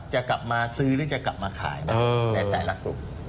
จะกลับมาซื้อหรือจะกลับมาขายบ้างในแต่ละกลุ่ม